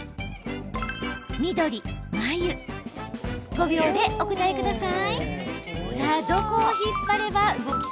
５秒で、お答えください。